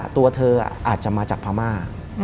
ตัวเธออาจจะมาจากพม่า